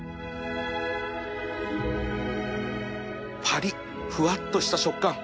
パリッふわっとした食感